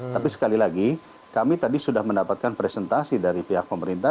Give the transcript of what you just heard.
tapi sekali lagi kami tadi sudah mendapatkan presentasi dari pihak pemerintah